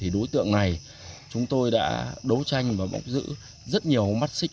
đối tượng này chúng tôi đã đấu tranh và bốc giữ rất nhiều mắt xích